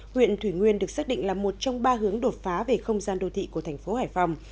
huyện thủy nguyên được xác định là một trong ba hướng đột phá về không gian đô thị của thành phố hải phòng